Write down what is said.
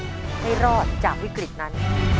ขอให้เราได้เป็นโอกาสในการช่วยเหลือครอบครัวของคุณ